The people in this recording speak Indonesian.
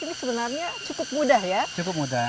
ini sebenarnya cukup mudah ya